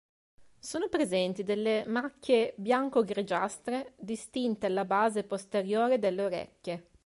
Sono presenti delle macchie bianco-grigiastre distinte alla base posteriore delle orecchie.